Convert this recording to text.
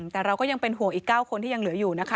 แต่เราก็ยังเป็นห่วงอีก๙คนที่ยังเหลืออยู่นะคะ